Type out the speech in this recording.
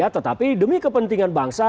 tetapi demi kepentingan bangsa